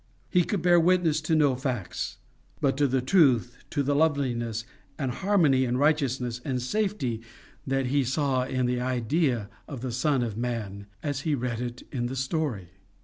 He could bear witness to no facts but to the truth, to the loveliness and harmony and righteousness and safety that he saw in the idea of the Son of Man as he read it in the story.